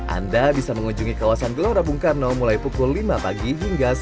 anda bisa mengunjungi kawasan gelora bung karno mulai pukul lima pagi hingga sore